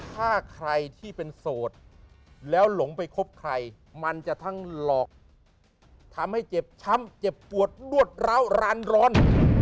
ถ้าใครที่เป็นโสดแล้วหลงไปคบใครมันจะทั้งหลอกทำให้เจ็บช้ำเจ็บปวดนวดร้าวร้านร้อน